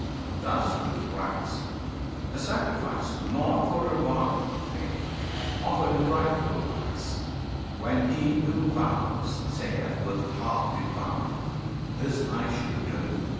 Thus with rites; A sacrifice not for rewardment made, Offered in rightful wise, when he who vows Sayeth, with heart devout, "This I should do!"